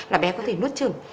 là bé có thể nuốt trừng